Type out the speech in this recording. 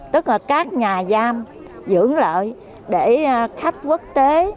tức là các nhà giam dưỡng lợi để khách quốc tế